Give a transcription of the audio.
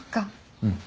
うん。